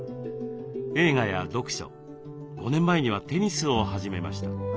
映画や読書５年前にはテニスを始めました。